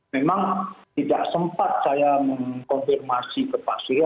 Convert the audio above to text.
memang tidak sempat saya mengkonfirmasi ke pak surya